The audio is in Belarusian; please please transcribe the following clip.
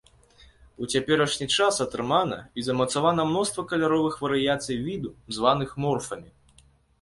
У цяперашні час атрымана і замацавана мноства каляровых варыяцый віду, званых морфамі.